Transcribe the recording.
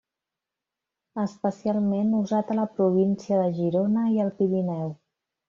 Especialment usat a la província de Girona i al Pirineu.